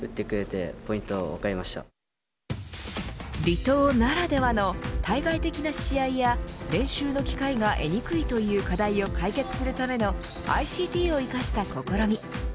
離島ならではの対外的な試合や、練習の機会が得にくいという課題を解決するためのＩＣＴを生かした試み。